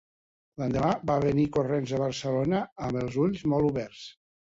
L'endemà va venir corrents a Barcelona amb els ulls molt oberts.